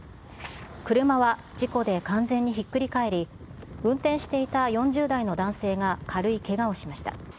車は事故で完全にひっくり返り、運転していた４０代の男性が軽いけがをしました。